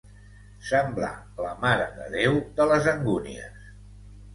Semblar la Mare de Déu de les Angúnies.